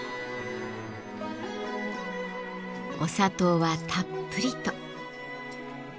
お砂糖はたっぷりと。